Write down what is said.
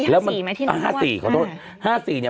อันนั้นปี๕๔ไหมที่นั้นก่อนครับค่ะครับเออ๕๔